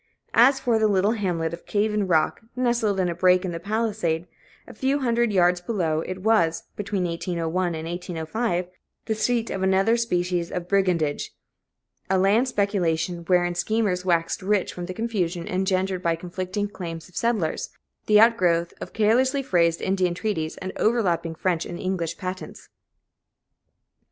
As for the little hamlet of Cave in Rock, nestled in a break in the palisade, a few hundred yards below, it was, between 1801 and 1805, the seat of another species of brigandage a land speculation, wherein schemers waxed rich from the confusion engendered by conflicting claims of settlers, the outgrowth of carelessly phrased Indian treaties and overlapping French and English patents.